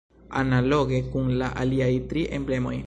Analoge kun la aliaj tri emblemoj.